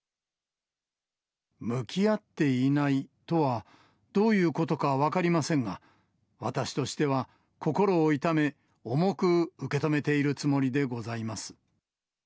向き合っていないとは、どういうことか分かりませんが、私としては、心を痛め、重く受け止めているつもりでございます。